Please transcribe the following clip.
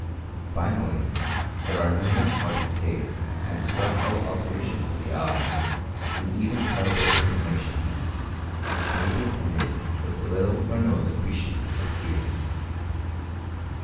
Finally, there are numerous morbid states and structural alterations of the eyes, and even terrible inflammations, which may be attended with little or no secretion of tears.